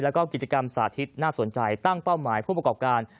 แล้วก็กิจกรรมสาธิตน่าสนใจตั้งเป้าหมายผู้ประกอบการ